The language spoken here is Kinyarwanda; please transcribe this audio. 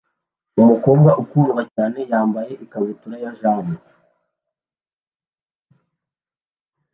Umukobwa ukundwa cyane wambaye ikabutura ya jean